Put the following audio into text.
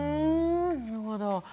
なるほど。